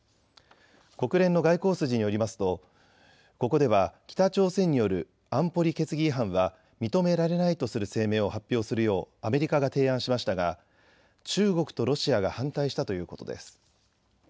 国連の外交筋によりますとここでは北朝鮮による安保理決議違反は認められないとする声明を発表するようアメリカが提案しましたが中国とロシアが反対したということです。